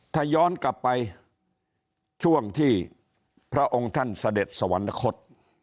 ถ้าย้อนกลับไปช่วงที่พระองค์ท่านเสด็จสวรรคต